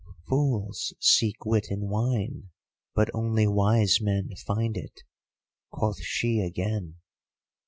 "'Fools seek wit in wine, but only wise men find it,' quoth she again.